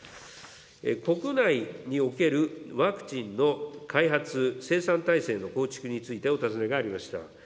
国内におけるワクチンの開発、生産体制の構築についてお尋ねがありました。